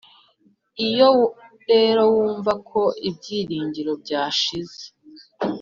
iyo rero wumva ko ibyiringiro byashize